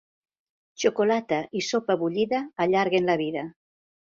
Xocolata i sopa bullida allarguen la vida.